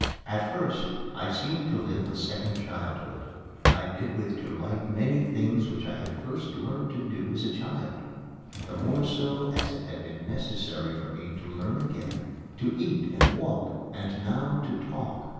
At first I seemed to live a second childhood. I did with delight many things which I had first learned to do as a child the more so as it had been necessary for me to learn again to eat and walk, and now to talk.